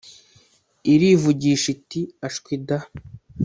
irivugisha iti “Ashwi da